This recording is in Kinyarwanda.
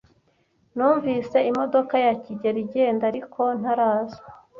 Numvise imodoka ya kigeli igenda, ariko ntaraza.